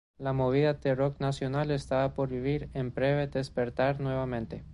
La movida de rock nacional estaba por vivir un breve despertar nuevamente.